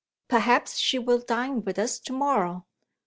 "Perhaps she will dine with us to morrow.